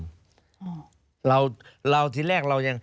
การตัดสินใจต้องตัดสินใจที่ผู้กระทำ